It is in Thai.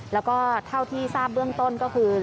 แล้วก็เท่าที่ทราบเบื้องต้นก็คือ